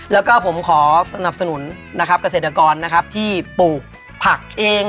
แล้วก็ผมขอสนับสนุนนะครับเกษตรกรนะครับที่ปลูกผักเอง